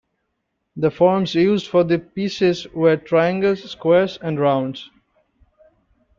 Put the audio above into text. The forms used for the pieces were triangles, squares, and rounds.